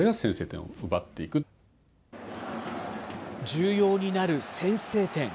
重要になる先制点。